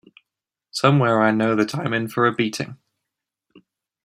Somewhere I know that I'm in for a beating.